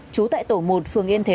trú tại tổ một phường yên thế